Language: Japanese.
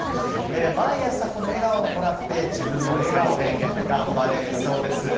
毎朝この笑顔をもらって自分も笑顔で頑張れるそうです。